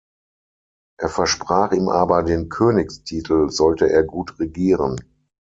Er versprach ihm aber den Königstitel, sollte er gut regieren.